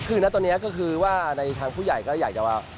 คือนะตอนนี้ก็คือว่าในทางผู้ใหญ่ก็อยากจะว่า